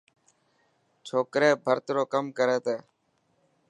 ڇوڪري ڀرت رو ڪم ڪري تي.